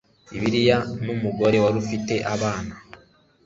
Bibiliya n umugore wari ufite abana